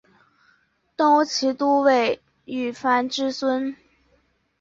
东吴骑都尉虞翻之孙。